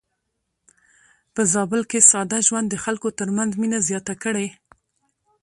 په زابل کې ساده ژوند د خلکو ترمنځ مينه زياته کړې.